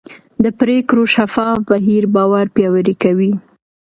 د پرېکړو شفاف بهیر باور پیاوړی کوي